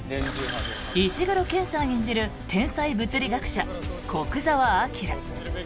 石黒賢さん演じる天才物理学者、古久沢明。